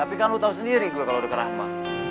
tapi kan lo tau sendiri gue kalau ada rahma